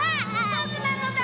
ぼくなのだ！